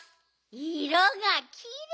いろがきれい！